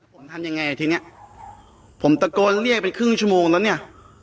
ตอนนั้นให้ทำยังไงที่นี้ผมตะโกนเรียกไปครึ่งชั่วโมงแล้วเนี่ย